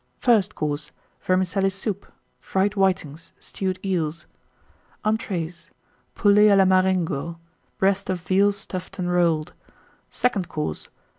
FIRST COURSE. Vermicelli Soup. Fried Whitings. Stewed Eels. ENTREES. Poulet à la Marengo. Breast of Veal stuffed and rolled. SECOND COURSE.